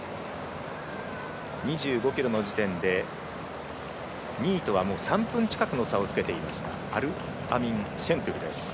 ２５ｋｍの時点で２位とは３分近くの差をつけていましたアルアミン・シェントゥフです。